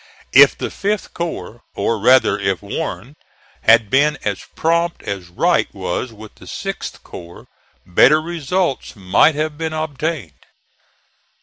If the 5th corps, or rather if Warren, had been as prompt as Wright was with the 6th corps, better results might have been obtained.